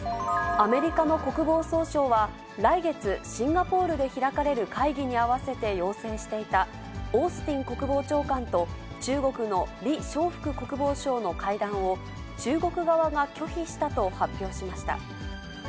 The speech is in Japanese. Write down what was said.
アメリカの国防総省は、来月、シンガポールで開かれる会議に合わせて要請していたオースティン国防長官と中国の李尚福国防相の会談を中国側が拒否したと発表しました。